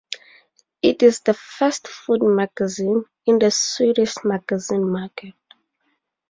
It is the first food magazine in the Swedish magazine market.